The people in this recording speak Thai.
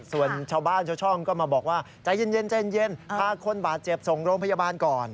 ส่วนชาวบ้านชาวช่องก็มาบอกว่าใจเย็นพาคนบาดเจ็บส่งโรงพยาบาลก่อน